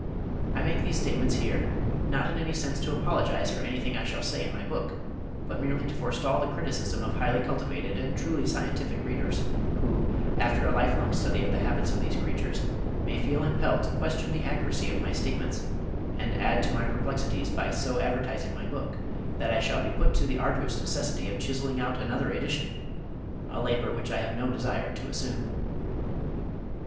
I make these statements here not in any sense to apologize for anything I shall say in my book, but merely to forestall the criticism of highly cultivated and truly scientific readers who, after a lifelong study of the habits of these creatures may feel impelled to question the accuracy of my statements and add to my perplexities by so advertising my book that I shall be put to the arduous necessity of chiseling out another edition, a labor which I have no desire to assume.